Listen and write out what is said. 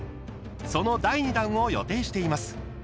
その第２弾を予定しています。